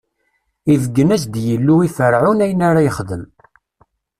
Ibeggen-as-d Yillu i Ferɛun, ayen ara yexdem.